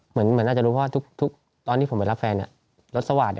เหมือนน่าจะรู้เพราะว่าตอนที่ผมไปรับแฟนรถสวาทเนี่ย